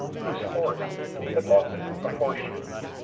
whose horse had lost a fore shoe.